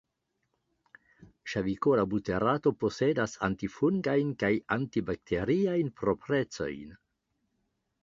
Ŝavikola buterato posedas antifungajn kaj antibakteriajn proprecojn.